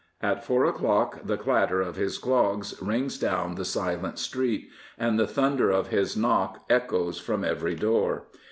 At four o'clock the clatter of his dogs rings down the silent street, and the thunder of his knock echoes from every door.